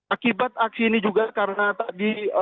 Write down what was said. akibat aksi ini juga karena tadi